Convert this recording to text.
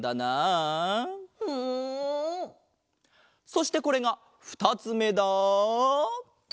そしてこれが２つめだ！